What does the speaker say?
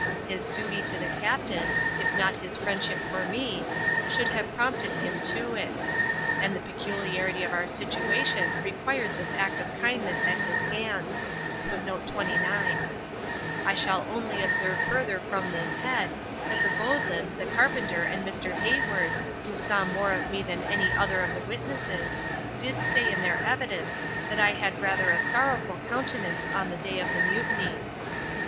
His duty to the captain, if not his friendship for me, should have prompted him to it; and the peculiarity of our situation required this act of kindness at his hands. I shall only observe further upon this head, that the boatswain, the carpenter, and Mr. Hayward, who saw more of me than any other of the witnesses, did say in their evidence, that I had rather a sorrowful countenance on the day of the mutiny.